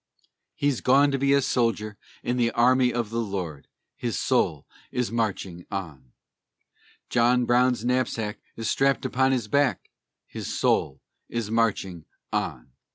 He's gone to be a soldier in the army of the Lord! His soul is marching on. John Brown's knapsack is strapped upon his back. His soul is marching on.